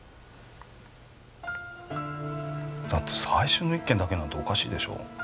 だって最初の１件だけなんておかしいでしょ？